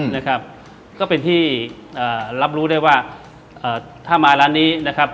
นะครับก็เป็นที่เอ่อรับรู้ได้ว่าเอ่อถ้ามาร้านนี้นะครับ